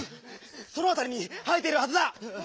そのあたりに生えているはずだ！